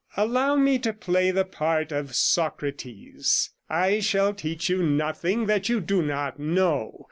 Allow me to play the part of Socrates; I shall teach you nothing that you do not know.